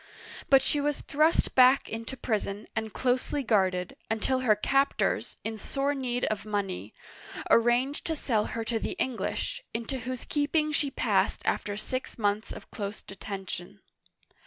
But she was thrust back into prison and closely guarded, 'until her captors, in sore need of money, arranged to sell her to the English, into whose keeping she passed after six months of close detention.